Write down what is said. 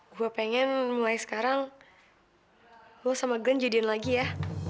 gue pengen mulai sekarang lo sama glenn jadian lagi ya